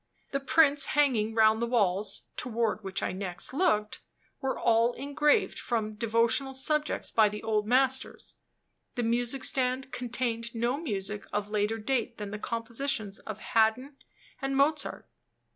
The prints hanging round the walls (toward which I next looked) were all engraved from devotional subjects by the old masters; the music stand contained no music of later date than the compositions of Haydn and Mozart.